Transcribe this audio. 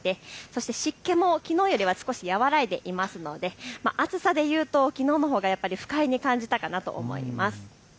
そして湿気もきのうよりは少し和らいでいますので暑さでいうときのうのほうが不快に感じたかなと思います。